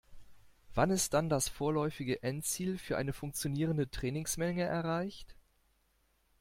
Wann ist dann das vorläufige Endziel für eine funktionierende Trainingsmenge erreicht?